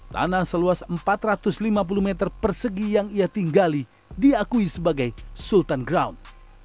tanah seluas empat ratus lima puluh meter persegi yang ia tinggali diakui sebagai sultan ground